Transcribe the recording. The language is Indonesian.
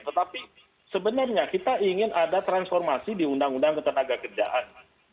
tetapi sebenarnya kita ingin ada transformasi di undang undang ketenaga kerjaan